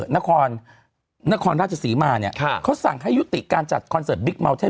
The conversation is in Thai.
นครนครราชศรีมาเนี่ยเขาสั่งให้ยุติการจัดคอนเสิร์ตบิ๊กเมาเท่น